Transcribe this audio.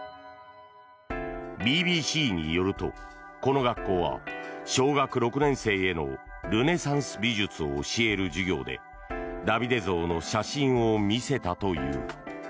ＢＢＣによると、この学校は小学６年生へのルネサンス美術を教える授業でダビデ像の写真を見せたという。